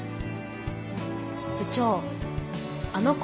部長あの子